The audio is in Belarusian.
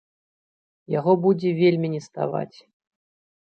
Яго будзе вельмі неставаць.